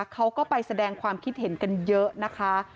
เขาก็ไปแสดงความคิดเห็นกันเยอะนะคะ